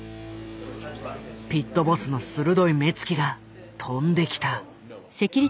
ピットボスの鋭い目つきが飛んできた。